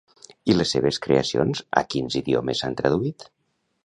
I les seves creacions a quins idiomes s'han traduït?